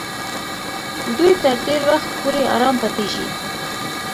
دوی تر ډېر وخت پورې آرام پاتېږي.